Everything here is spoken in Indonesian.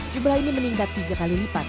jumlah ini meningkat tiga kali lipat